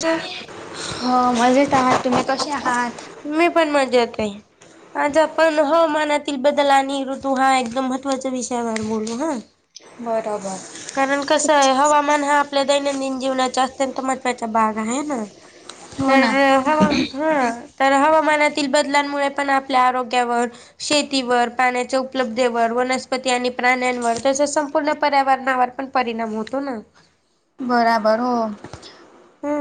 तर हो मजेत आहात तुम्ही कसे आहात. मी पण मजेत आहे. आज आपण हवामानातील बदल आणि ऋतू हा एकदम महत्त्वाचा विषयावर बोलू हा. बरोबर. कारण कसं आहे हवामान हा आपल्या दैनंदिन जीवनाचा अत्यंत महत्त्वाचा भाग आहे ना. हो तर ना. हवा हा तर हवामानातील बदलांमुळे पण आपल्या आरोग्यावर शेतीवर पाण्याच. उपलब्धेवर वनस्पती आणि प्राण्यांवर तस संपूर्ण पर्यावरणावर पण परिणाम होतो ना. बराबर हो हा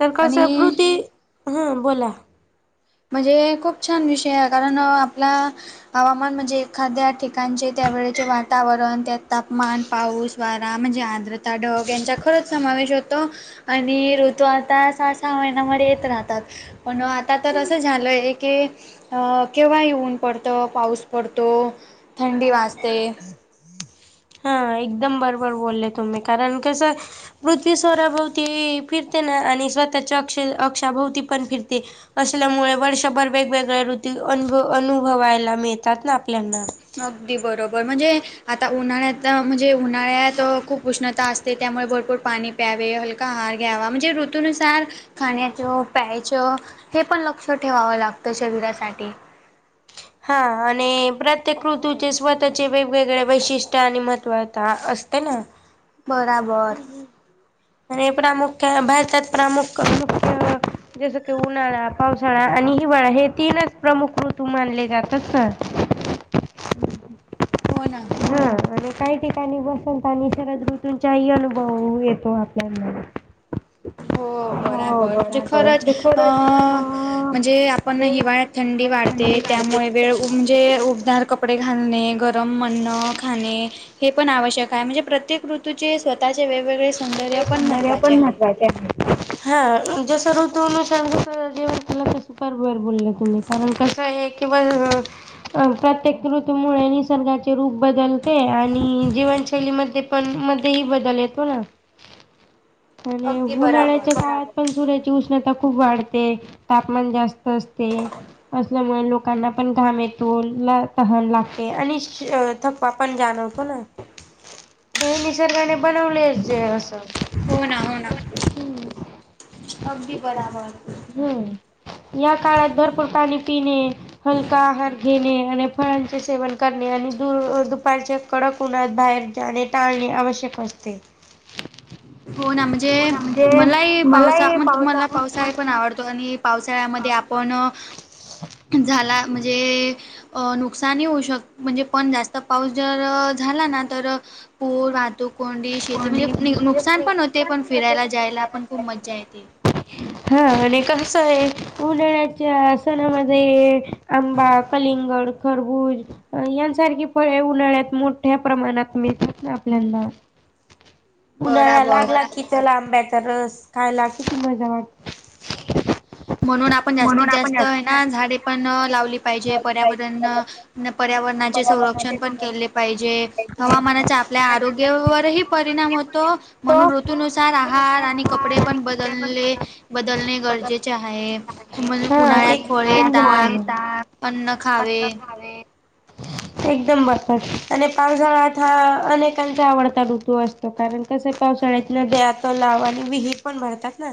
तर आणि कसं पृती हा बोला म्हणजे खूप छान विषय आहे कारण आपला हवामान म्हणजे एखाद्या ठिकाणचे त्यावेेळेचे वातावरण त्यात तापमान पाऊस द्वारा म्हणजे आर्द्रता ढग यांचा खरच समावेश होतो आणि ऋतू आता सहा सहा महिन्यामध्ये येत राहतात पण आता तर असं झालंय एक की केव्हा येऊन पडतं पाऊस पडतो थंडी वाजते हा एकदम बरोबर बोलले तुम्ही कारण कसं पृथ्वी स्वराभोवती फिरते ना आणि स्वतःच्या अक्ष अक्षाभोवती पण फिरते असल्यामुळे वर्षभर वेगवेगळ्या ऋतू अनुभ अनुभवायला मिळतात ना आपल्याना अगदी बरोबर म्हणजे आता उन्हाळ्यात म्हणजे उन्हाळ्यात खूप उष्णता असते त्यामुळे भरपूर पाणी प्यावे हलका अहार घ्यावा म्हणजे ऋतुनुसार खाण्याच प्यायच हे पण लक्ष ठेवावं लागतं शरीरासाठी हां आणि प्रत्येक ऋतूचे स्वतःचे वेगवेगळे वैशिष्ट्य आणि महत्त्वता असते ना बराबर आणि प्रामुख्या भारतात प्रामुख्य मुख्य जसं की उन्हाळा पावसाळा आणि हिवाळा हे तीनच प्रमुख ऋतू मानले जातात तर हो ना हा [unintelligible] काही ठिकाणी बसंत आणि शरद ऋतूंचाही अनुभव येतो आपल्यामध्ये हो बरं आहे [unintelligible] हो बरं म्हणजे बराबर खरंच अ खरंच अ म्हणजे आपण हिवाळ्यात थंडी वाढते त्यामुळे वेळ उबदार कपडे घालणे [unintelligible] खाणे हे पण आवश्यक आहे म्हणजे प्रत्येक ऋतूचे स्वतःचे वेगवेगळे सौंदर्य पण महत्त्वाचे आहे हा जसं ऋतूनुसांध जेवण केलं ते सुप बअर बोलले तुम्ही म्हण [unintelligible] कसं आहे की बस अ प्रत्येक ऋतूमुळे निसर्गाचे रूप बदलते आणि जीवनशैलीमध्ये पण मध्येही बदल येतो ना आणि अगदी बराबर. हुणाल्याच्या काय [unintelligible] पण सूर्याची उष्णता खूप वाढते तापमान जास्त असते असल्यामुळे लोक लोकांना पण घाम येतो ला तहान लागते आणि थकवा पण जाणवतो ना निसर्गाने बनवलेच जे असं हो ना हो ना अगदी बराबर हम्म या काळात भरपूर पाणी पिणे हलका आहार घेणे आणि फळांचे सेवन करणे आणि दु दुपारचे कडक उन्हात बाहेर जाणे टाळणे आवश्यक असते हो ना म्हणजे मलाही पावसा म्ह मला पावसाळा पण आवडतो आणि पावसाळ्यामध्ये आपण झाला म्हणजे अ नुकसानही होऊ शक म्हणजे पण जास्त पाऊस जर झाला ना तर पूर वाहतूक कोंडी शेती म्हणजे नुकसान पण होते पण फिरायला जायला पण खूप मज्जा येते हा आणि कस आहे उन्हाळ्याच्या आसनामध्ये आंबा कलिंगड खरबूज यांसारखी फळे उन्हाळ्यात मोठ्या प्रमाणात मिळतात आपल्याना. उन्हाळ्या बराबर लागला किथ आंब्याचा रस खायला किती मजा वाटते. म्हणून आपण जास्तीत जास्त आहे ना झाडे पण लावली पाहिजे पर्यावरण न पर्यावरणाचे संरक्षण पण केले पाहिजे हवामानाचा आपल्या आरोग्यावरही परिणाम होत [unintelligible] म्हणून ऋतू नुसार सार [unintelligible] आहार आणि कपडे पण बदलले बदलणे गरजेचे आहे द म्हण पत उन्हाळ्यात फळे ताक अन्न खावे हवे [inaudible] हा एकदम बरफर आणि पावसाळात हा अनेकांचा आवडता ऋतू असतो कारण तसे पावसाळ्यात न देत लाव आणि विहीर पण भरतात ना.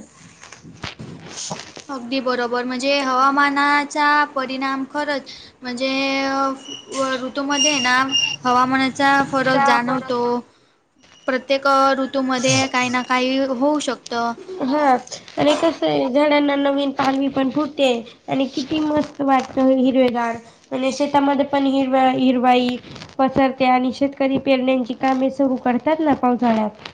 अगदी बरोबर म्हणजे हवामानाचा परिणाम खरंच. म्हणजे व ऋतूमध्येध्ये ना हवामानाचा फरक जाणवतो. प्रत्येक ऋतूमध्ये काही ना काही होऊ शकतं. हा आणि कस झाडांना नवीन पालवी पण फुटते. आणि किती मस्त वाटत हिरवेगाड आणि शेतामध्ये पण हिरवा हिरवाई. पसरते आणि शेतकरी पेरण्याची कामे सुरू करतात ना पावसाळ्यात.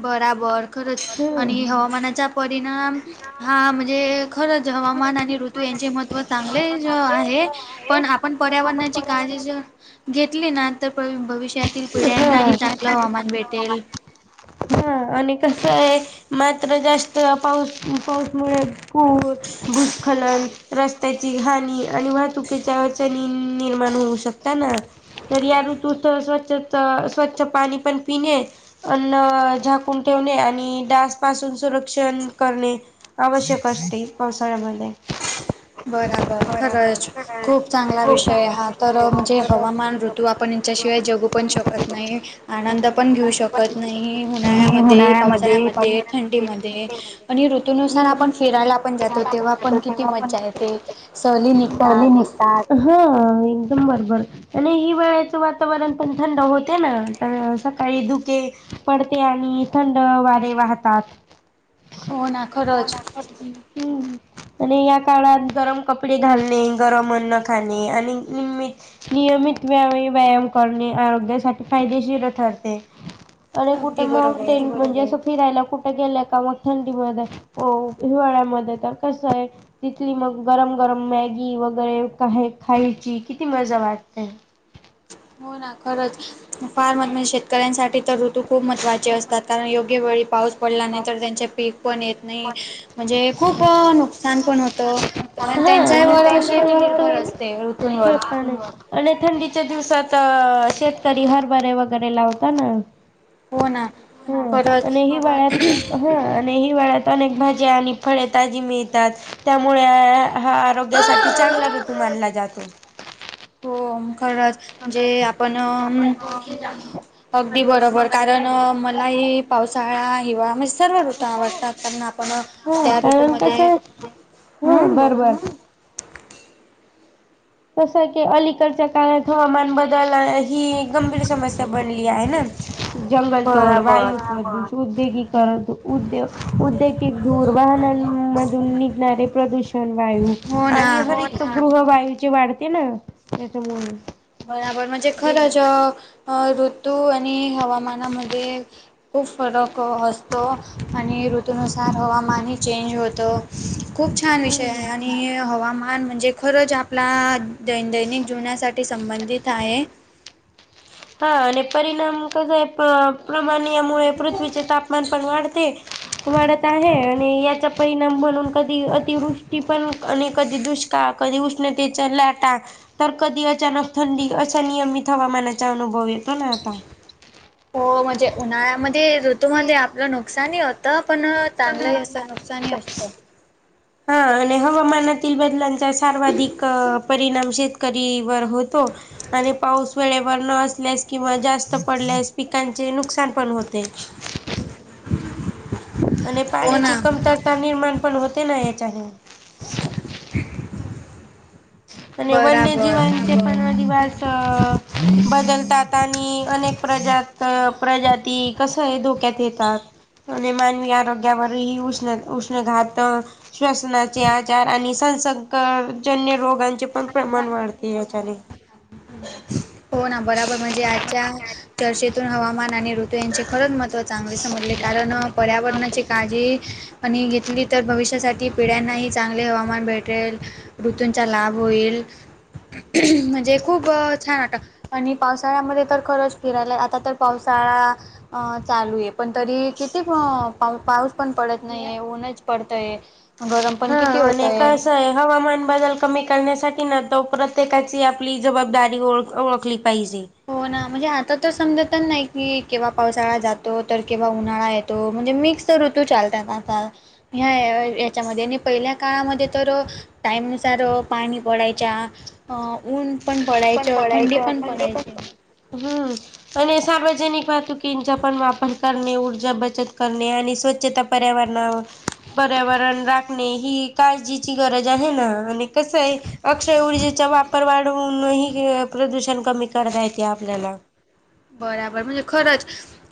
बराबर खरंच आणि हम्म हवामानाचा परिणाम हा म्हणजे खरंच हवामान आणि ऋतू यांचे महत्त्व चांगले आहे. पण आपण पर्यावरणाची काळजी. घेतली ना तर भविष्यातील हा पिढ्यांनाही चांगलं हवामान भेटेल. हा आणि कस आहे मात्र जास्त पाऊस पाऊसमुळे कूर भूस्खलन रस् त्याची घाणी आणि वाहतुकीच्याचणी निर्माण होऊ शकता ना. तर या ऋतू स्वच्छ स्वच्छ पाणी पण पिणे. अन्न झाकून ठेवणे आणि डास पासून सुरक्षण करणे. आवश्यक असते पावसाळ्यामध्ये. बराबर खरंच खूप चांगला विषय हा तर म्हणजे हवामान ऋतू आप पण यांच्याशिवाय जगू पण शकत नाही. आनंद पण घेऊ शकत नाही उन्हाळ्यामध्ये पावसाळ्यामध्ये थंडीमध्ये आणि ऋतनुसार आपण फिरायला पण जातो तेव्हा पण किती मज्जा आहेेत. ते सह ली निघतात. हा एकदम बरोबर आणि हि वेळाचं वा. वातावरण पण थंड होते ना तर सकाळी धुके पडते आणि थंड वारे वाहतात. हो ना खरंच. हम् आणि या काळात गरम कपडे घालणे गरम. नि व व्याम आरोग्यासाठी फायदेशीर ठरते आणि कुठे अगदी बरोबर मांटेन म्हणजे अस. फिरायला कुठे गेलंय का मग थंडी म हो हिवाळ्यामध्ये तर कसं आहे. तिथली मग गरम गरम मॅगी वगैरे का खायची किती मजा वाटते. हो ना खरच फार्म म्हणज शेतकऱ्यांसाठी तर ऋतू खूप महत्वाचे असतात कारण य. अ वेळी पाऊस पडला नाही तर त्यांचे पीक पण येत नाही. म्हणजे खूप नुकसान पण होतं. कारण हा त्यांच्या आणि वर अशी ती निर्भर सिंपल असते ते ऋतूंवर. पण आहे आणि थंडीच्या दिवसात शेतकरी हरभरे वगैरे लावत ना. हो ना ह खरंच आणिही हि वा ळ्यात हा आणि हिवाळ्यात अनेक भाज्या आणि फळे ताजी मिळतात त्यामुळे हा आरोग्यासाठी चांगला ऋतू मानला जातो. हो खरंच जे आपण अगदी बरोबर कारण मलाही पावसाळा हिवा म सर्व ऋतू आवडतात कारण आपण हा त्या कारण ऋतूमध्ये कसं हा हम् बला. बरोबर तसं की अलीकडच्या काळात हवामान बदल ही गंभीर समस्या बनली आहे ना. जंगल तोड बरोबर वायू उद्योगी करत उद्यो उद्योग कि धूर वाहना मधून निघणारे प्रदूषण वायू हो ना [unintelligible] गृहवायूचे वाढते ना त्याच्यायमुळे बराबर म्हणजे खरंच ऋतू आणि हवामानामध्ये [unintelligible] खूप फरक असतो आणि ऋतनुसार हवामानही चेंज होतं. खूप छान विषय आहे आणि [unintelligible] हवामान म्हणजे खरंच आपला दैन दैनिक जीवनासाठी संबंधित आहे. हा आणि परिणाम कसाय प्रमाण [unintelligible] यामुळे पृथ्वीचे तापमान पण वाढते वाढत आहे आणि याच्या परिणाम बनून कधी अतिवृष्टी पण आणि कधी दुष्काळ कधी उष्णतेचा लाटा [unintelligible] तर कधी अचानक थंडी अशा नियमित हवामानाचा अनुभव येतो ना आता. हो म्हणजे उन्हाळ्यामध्ये ऋतूमध्येध्ये आपलं नक [unintelligible] नुकसानी होतं पण चांगलंही असं नुकसानी असतं. हा आणि हवामानातील बदलांचा सर्वाधिक परिणाम शेतकरीवर होतो. [unintelligible] आणि पाऊस वेळेवर न असल्यास किंवा जास्त पडल्यास पिकांचे नुकसान पण होते. [unintelligible] आणि हो पाण्याची ना कमतरता निर्माण पण होते ना याच्याने. [unintelligible] [unintelligible] आणि वन्य बराबर जीवन [unintelligible] ते पण दिवास बदलतात आणि अनेक प्रजात तर प्रजाती कसं आहे धोक्यात येतात. [unintelligible] आणि मानवी आरोग्यावरही उष्ण उष्ण घात श्वसनाचे आजार आणि संसर्कजन्य रोग यांचे पण प्रमाण वाढते याच्याने हो ना बराबर म्हणजे आजच्या चर्चेतून हवामान आणि ऋतू यांचे खरंच महत्व चांगले समजले. [unintelligible] कारण पर्यावरणाचे काय [unintelligible] [inaudible] आणि घेतली तर भविष्यासाठी पिढ्यांनाही चांगले हवामान भेटेल. ऋतूंचा लाभ होईल म्हणजे खूप छान वाटत. आणि पावसाळ्यामध्ये तर खरंच फिरायला आता तर पावसाळा अ चालू आहे. पण तरी किती पा पाऊस पण पडत नाही आहे ऊनच पडतय [unintelligible] हा आणि कसे आहे हवामान बदल [unintelligible] कमी करण्यासाठी, ना, तो प्रत्येकाची आपली जबाबदारी ओळ-ओळखली पाहिजे. हो ना, म्हणजे आता तर समजतच नाही की, केव्हा पावसाळा जातो, तर केव्हा उन्हाळा येतो. तो, म्हणजे, मिक्स ऋतू चालतात आता. [unintelligible] ह्या ह्याच्यामध्ये आणि पहिल्या काळामध्ये तर अ टाईमनुसार, अ पाणी पडायच्या, अ ऊन पण पडायचं, थंडी पण पडायची. [unintelligible] हम्म आणि सार्वजनिक वाहातुक स्टीमचा पण वापर करणे, ऊर्जा बचत करणे, आणि स्वच्छता पर्यावरणावर पर्यावरण राखणे, ही काळजीची गरज आहे ना, आणि कसं आहे, अक्षय ऊर्जेचा वापर वाढवूनही [unintelligible] [unintelligible] बराबर, म्हणजे, खरंच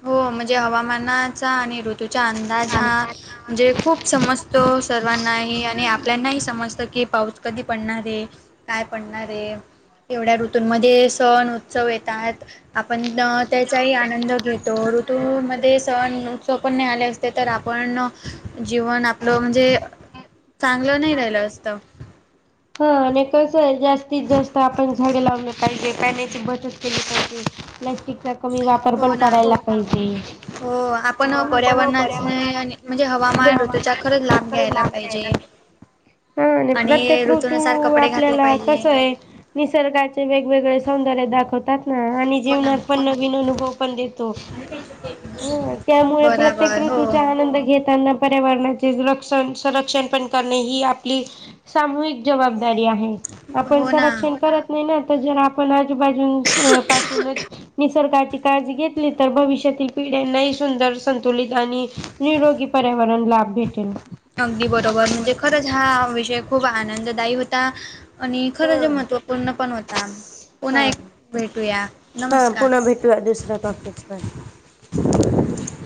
हो, म्हणजे, हवामानाचा आणि र तुजा अंदाज हा [unintelligible] म्हण जे खूप समजत सर्वांनाही आणि आपल्यानाही समजत की पाऊस कधी पडणार आहे. [unintelligible] काय पडणारे एवढ्या ऋतूंमध्ये सण उत्सव येतात, पण त्याचाही आनंद घेतो ऋतूमध्ये सण उत्सव पण नाही आले असतो. ते तर आपण जीवन आपलं म्हणजे चांगलं नाही राहिलं असतं. हा आणि कस जास्तीत जास्त आपण झाडे लावले पाहिजे पाण्याची बचत केली पाहिजे. [unintelligible] प्लॅस्टिकचा कमी वापर पण हो ना. करायला पाहिजे. हो [unintelligible] हो, आपण पर्यावरणाचे पर्यावरणात आणि म्हणजे हवामान ऋतूचा हवामानच खरंच लाभ घालायला घ्यायला पाहिजे. पाहिजेल. [unintelligible] हा, आणि प्रत्येक ऋतू ऋतूनुसार कपडे घातले आपल्याला पाहिजे. कसय निसर्गाचे वेगवेगळे सौंदर्य दाखवतात. ह, आणि हो ना. जीवनात पण, नवीन अनुभव पण देतो. हो ना, त्यामुळे प्रत्येक बराबर हो ऋतूचा आनंद घेतांना पर्यावरणाचे रक्षण, संरक्षण पण करणे, ही आपली सामूहिक जबाबदारी आहे आपण हो ना. सरक्षणत करत नाही ना त पण आजूबाजून पा [unintelligible] निसर्गाची काळजी घेतली तर भविष्यातील पिढ्यांनाही सुंदर संतुलित आणि निरोगी पर्यावरण लाभ भेटेल. अगदी बरोबर म्हणजे खरंच हा विषय खूप आनंददायी होता. आणि खरं हा ज महत्त्वपूर्ण पण होता पुन्हा हा एक भेटूया हां पुन्हा नमस्कार. दुसऱ्या टॉपिक वर.